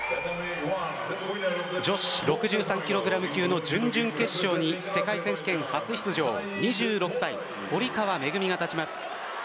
女子６３ｋｇ級の準々決勝に世界選手権初出場２６歳、堀川恵が立ちます。